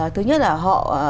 thứ nhất là họ